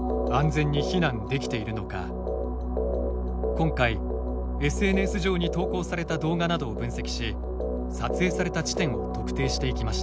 今回ＳＮＳ上に投稿された動画などを分析し撮影された地点を特定していきました。